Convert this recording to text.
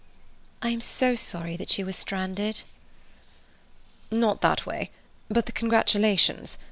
"I am so sorry that you were stranded." "Not that, but the congratulations.